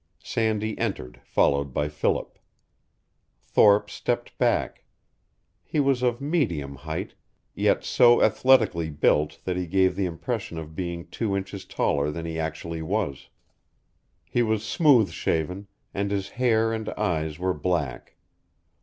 Sandy entered, followed by Philip. Thorpe stepped back. He was of medium height, yet so athletically built that he gave the impression of being two inches taller than he actually was. He was smooth shaven, and his hair and eyes were black.